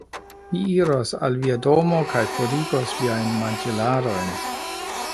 Mi iros al via domo kaj purigos viajn manĝilarojn